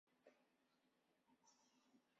小松内大臣平重盛的正室。